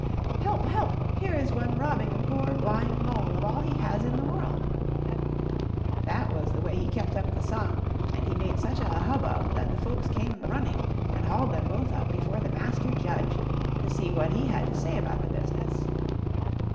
" Help ! help ! here is one robbing a poor blind mole of all he has in the world !" That was the way he kept up the song, and he made such a hubbub that the folks came running and hauled them both up before the Master Judge to see what he had to say about the business.